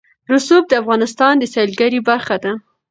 رسوب د افغانستان د سیلګرۍ برخه ده.